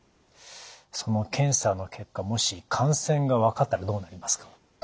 その検査の結果もし感染が分かったらどうなりますか？